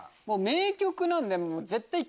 名曲なんで。